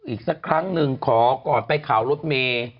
อีกสักครั้งหนึ่งขอก่อนไปข่าวรถเมย์